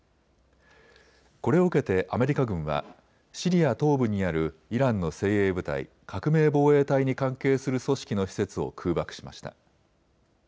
これを受けてアメリカ軍はシリア東部にあるイランの精鋭部隊・革命防衛隊に関係する組織の施設を空爆しました。